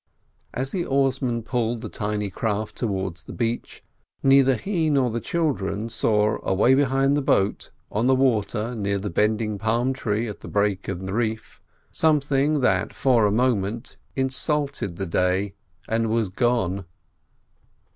As the oarsman pulled the tiny craft towards the beach, neither he nor the children saw away behind the boat, on the water near the bending palm tree at the break in the reef, something that for a moment insulted the day, and was gone.